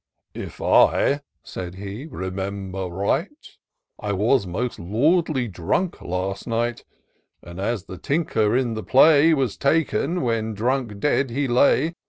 " If I," said he, " remember right, I was most lordly dnmk last night ;. And, as the Tinker in the play Was taken, when dead drunk he lay.